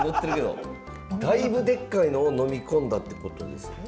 だいぶでっかいのを飲み込んだってことですよね？